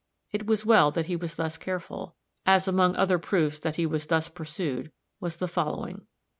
It was well that he was thus careful, as, among other proofs that he was thus pursued, was the following.